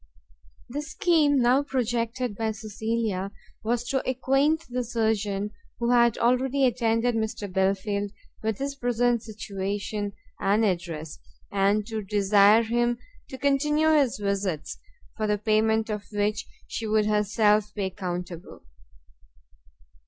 The scheme now projected by Cecilia, was to acquaint the surgeon who had already attended Mr. Belfield with his present situation and address, and to desire him to continue his visits, for the payment of which she would herself be accountable.